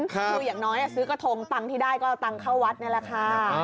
คืออย่างน้อยซื้อกระทงตังค์ที่ได้ก็เอาตังค์เข้าวัดนี่แหละค่ะ